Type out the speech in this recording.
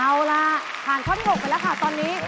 เอาล่ะผ่านข้อที่๖ไปแล้วค่ะตอนนี้